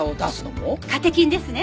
カテキンですね。